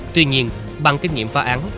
tuy nhiên bằng kinh nghiệm phá án